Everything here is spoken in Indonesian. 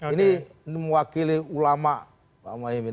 ini mewakili ulama pak muhaymin